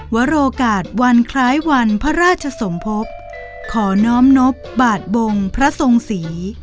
วโรกาศวันคล้ายวันพระราชสมภพขอน้อมนบบาทบงพระทรงศรี